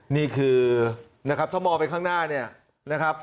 นี่คือนะครับถ้ามองไปข้างหน้าเนี่ยนะครับ